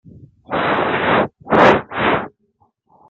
Dans ce domaine, a été l'un des plus influents penseurs.